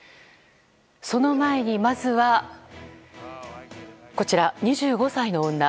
その前に、まずはこちら、２５歳の女。